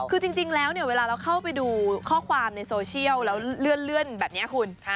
คือจริงแล้วเนี่ยเวลาเราเข้าไปดูข้อความในโซเชียลแล้วเลื่อนแบบนี้คุณ